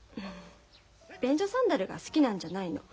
便所サンダルが好きなんじゃないの。